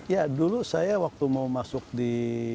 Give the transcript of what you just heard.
ya dulu saya waktu mau masuk di